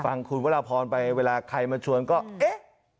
ฟังคุณวรพรไปเวลาใครมาชวนก็เอ๊ะ